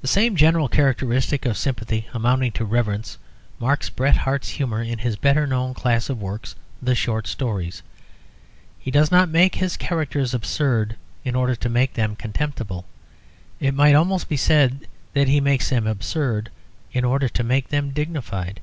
The same general characteristic of sympathy amounting to reverence marks Bret Harte's humour in his better known class of works, the short stories. He does not make his characters absurd in order to make them contemptible: it might almost be said that he makes them absurd in order to make them dignified.